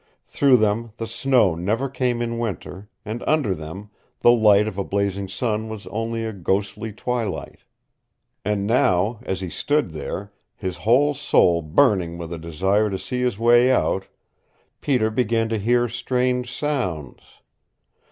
Through them the snow never came in winter, and under them the light of a blazing sun was only a ghostly twilight. And now, as he stood there, his whole soul burning with a desire to see his way out, Peter began to hear strange sounds.